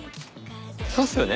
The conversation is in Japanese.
そうっすよね。